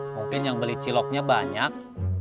mungkin yang beli ciloknya banyak